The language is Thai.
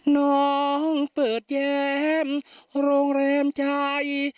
น้องเปิดแย้มโรงแรมใจ